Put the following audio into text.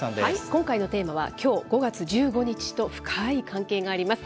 今回のテーマは、きょう５月１５日と深ーい関係があります。